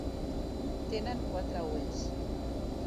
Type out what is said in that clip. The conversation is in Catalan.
Tenen quatre ulls.